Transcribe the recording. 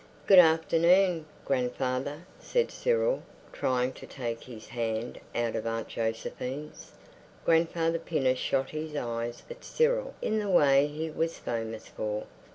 "Good afternoon, grandfather," said Cyril, trying to take his hand out of Aunt Josephine's. Grandfather Pinner shot his eyes at Cyril in the way he was famous for.